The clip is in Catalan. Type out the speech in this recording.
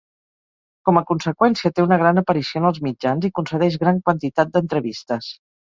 Com a conseqüència té una gran aparició en els mitjans i concedeix gran quantitat d'entrevistes.